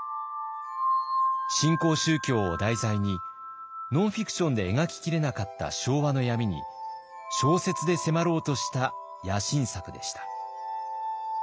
新興宗教を題材にノンフィクションで描ききれなかった昭和の闇に小説で迫ろうとした野心作でした。